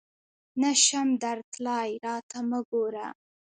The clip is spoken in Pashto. نه شم درتلای ، راته مه ګوره !